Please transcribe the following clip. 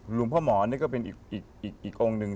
หลวงพ่อหมอนี่ก็เป็นอีกองค์หนึ่ง